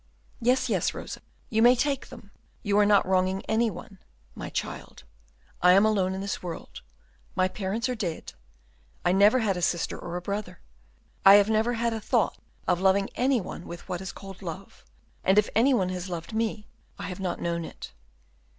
"Yes, yes, Rosa, you may take them; you are not wronging any one, my child. I am alone in this world; my parents are dead; I never had a sister or a brother. I have never had a thought of loving any one with what is called love, and if any one has loved me, I have not known it.